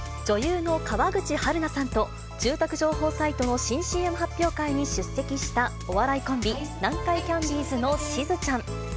女優の川口春奈さんと、住宅情報サイトの新ＣＭ発表会に出席したお笑いコンビ、南海キャンディーズのしずちゃん。